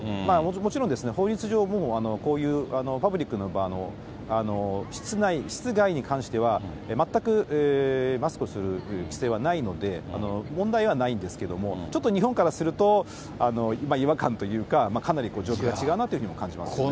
もちろん、法律上、こういうパブリックの場も、室外に関しては全くマスクをする規制はないので、問題はないんですけれども、ちょっと日本からすると、違和感というか、かなり状況が違うなという感じはしましたね。